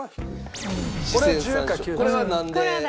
これはなんで？